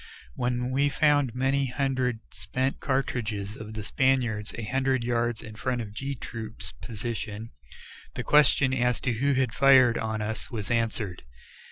When we found many hundred spent cartridges of the Spaniards a hundred yards in front of G Troop's position, the question as to who had fired on us was answered.